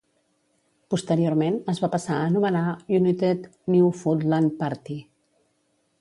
Posteriorment es va passar a anomenar United Newfoundland Party.